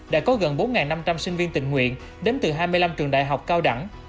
đã có gần bốn năm trăm linh sinh viên tình nguyện đến từ hai mươi năm trường đại học cao đẳng